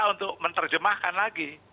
kita untuk menerjemahkan lagi